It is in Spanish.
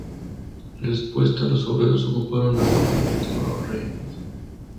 En respuesta los obreros ocuparon la fábrica y tomaron rehenes.